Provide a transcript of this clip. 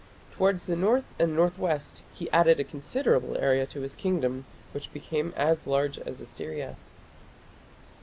Towards the north and north west he added a considerable area to his kingdom, which became as large as Assyria.